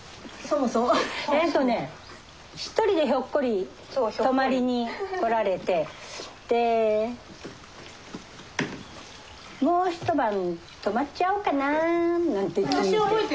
えっとね一人でひょっこり泊まりに来られてで「もう一晩泊まっちゃおうかなぁ」なんて言って。